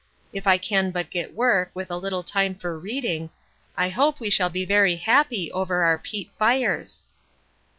If I can but get work, with a little time for reading, I hope we shall be very happy over our peat fires.